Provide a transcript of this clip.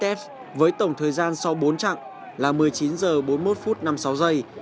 quyết tép với tổng thời gian sau bốn trạng là một mươi chín giờ bốn mươi một phút năm mươi sáu giây